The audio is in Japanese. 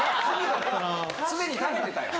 常に食べてたよ。